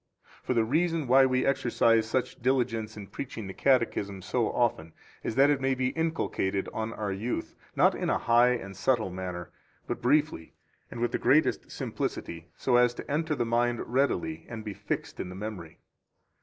27 For the reason why we exercise such diligence in preaching the Catechism so often is that it may be inculcated on our youth, not in a high and subtile manner, but briefly and with the greatest simplicity, so as to enter the mind readily and be fixed in the memory.